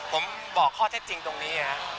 ผมบอกข้อเท็จจริงตรงนี้นะ